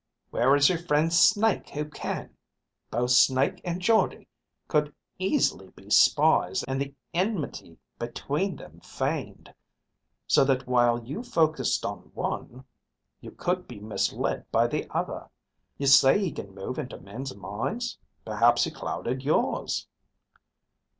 Where is your friend Snake who can? Both Snake and Jordde could easily be spies and the enmity between them feigned, so that while you focused on one, you could be misled by the other. You say he can move into men's minds? Perhaps he clouded yours."